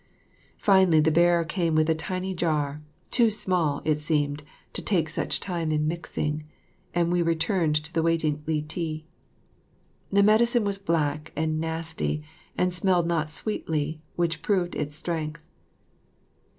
Finally, the bearer came with a tiny jar, too small, it seemed, to take such time in mixing, and we returned to the waiting Li ti. The medicine was black and nasty and smelled not sweetly, which proved its strength.